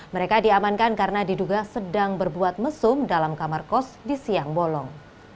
mereka diamankan karena diduga sedang berbuat mesum dalam kamar kos di siang bolong